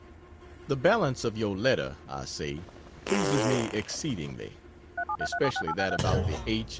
The balance of your letter, I say, pleases me exceedingly. Especially that about the H.